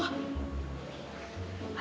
ada apaan ya